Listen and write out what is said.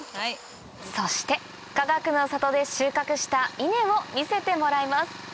そしてかがくの里で収穫した稲を見せてもらいます